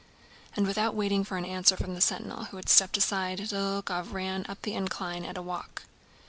And without waiting for an answer from the sentinel, who had stepped aside, Dólokhov rode up the incline at a walk.